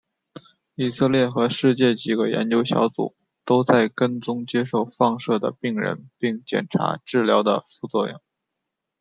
以色列和世界几个研究小组都在跟踪接受放射的病人并检查治疗的副作用。